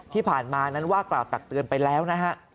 ที่ผ่านมานั้นว่ากล่าวตักเตือนไปแล้วนะฮะ